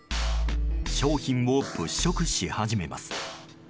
商品を物色し始めます。